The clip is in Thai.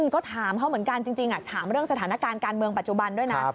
ก็ถามเขาเหมือนกันจริงถามเรื่องสถานการณ์การเมืองปัจจุบันด้วยนะ